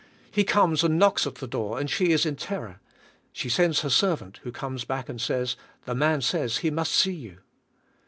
He comes and knocks at the door, and she is in terror. She sends her servant, who comes back and says, "The man says he must see you."